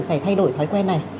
phải thay đổi thói quen này